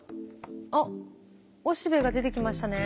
あっおしべが出てきましたね。